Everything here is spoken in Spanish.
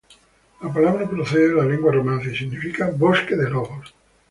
La palabra procede de la lengua romance y significa "bosque de lobos".